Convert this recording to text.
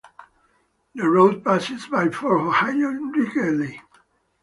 The road passes by Fort Ohio in Ridgeley.